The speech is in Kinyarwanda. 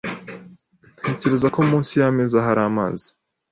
Ntekereza ko munsi yameza hari amazi.